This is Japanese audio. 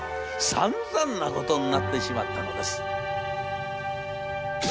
さんざんなことになってしまったのです」。